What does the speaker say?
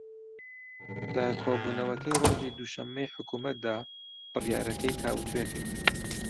لە کۆبوونەوەکەی ڕۆژی دووشەممەی حکوومەتدا بڕیارەکەی تاووتوێ کرد